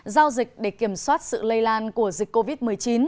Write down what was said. giao dịch để kiểm soát sự lây lan của dịch covid một mươi chín